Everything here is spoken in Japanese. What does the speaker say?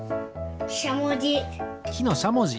しゃもじ。